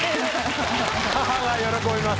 母が喜びます！